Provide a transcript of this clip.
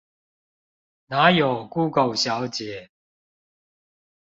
那有估狗小姐